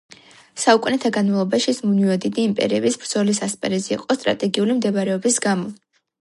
საუკუნეთა განმავლობაში ის მუდმივად დიდი იმპერიების ბრძოლის ასპარეზი იყო სტრატეგიული მდებარეობის გამო.